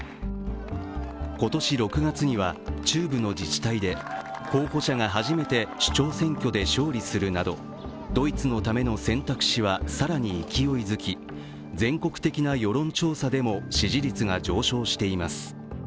今年６月には、中部の自治体で候補者が初めて首長選挙で勝利するなどドイツのための選択肢は更に勢いづき全国的な世論調査でも支持率が上昇しています。